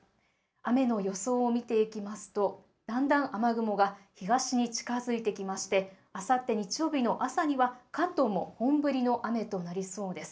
雨の予想を見ていきますとだんだん雨雲が東に近づいてきましてあさって日曜日の朝には関東も本降りの雨となりそうです。